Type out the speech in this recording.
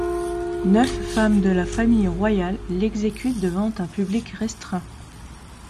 Neuf femmes de la famille royale l'exécutent devant un public restreint.